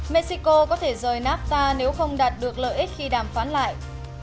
mexico có thể rời nafta nếu không đạt được lợi ích khi đàm phán lại